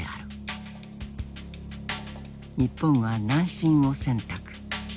日本は南進を選択。